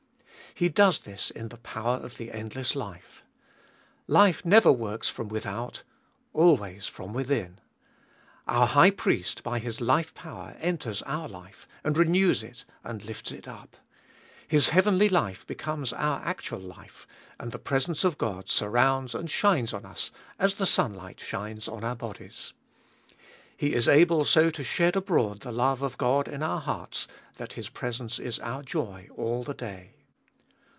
He does this in the power of the endless life. Life never works from without, always from within. Our High Priest by His life power enters our life, and renews it, and lifts it up ; His heavenly life becomes our actual life, and the presence of God surrounds and shines on us as the sunlight shines on our bodies. He is able so to shed abroad the love of God in our hearts that His presence is our joy all the day.